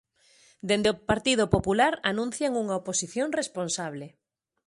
Desde o Partido Popular anuncian unha oposición responsable.